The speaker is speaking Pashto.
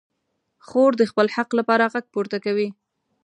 خور د خپل حق لپاره غږ پورته کوي.